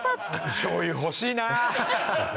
しょうゆ欲しいな。